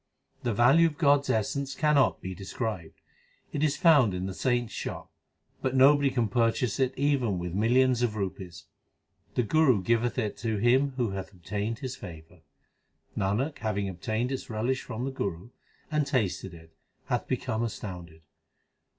The value of God s essence cannot be described : It is found in the saints shop ; But nobody can purchase it even with millions of rupees. The Guru giveth it to him who hath obtained his favour. Nanak having obtained its relish from the Guru, And tasted it, hath become astounded.